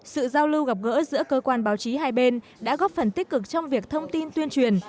sự giao lưu gặp gỡ giữa cơ quan báo chí hai bên đã góp phần tích cực trong việc thông tin tuyên truyền